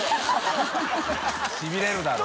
しびれるだろ？